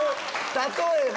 例えば！